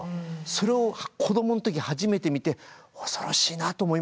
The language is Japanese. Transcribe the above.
それを子どもの時初めて見て恐ろしいなと思いましたね。